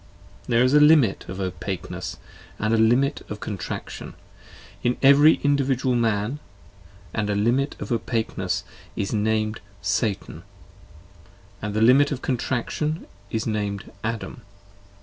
There is a limit of Opakeness, and a limit of Contraction ; 30 In every Individual Man, and the limit of Opakeness, Is named Satan; and the limit of Contraction is named Adam.